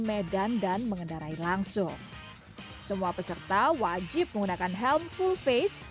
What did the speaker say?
medan dan mengendarai langsung semua peserta wajib menggunakan helm full face